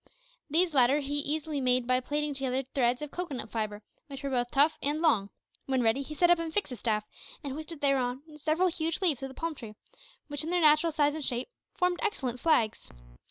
These latter he easily made by plaiting together threads of cocoanut fibre, which were both tough and long. When ready, he set up and fixed the staff, and hoisted thereon several huge leaves of the palm tree, which, in their natural size and shape, formed excellent flags.